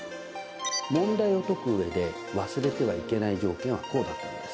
問題を解く上で忘れてはいけない条件はこうだったんです。